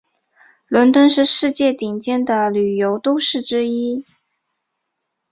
伦敦是世界顶尖的旅游都市之一。